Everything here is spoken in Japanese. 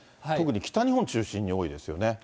特に北日本中心に多いですよね。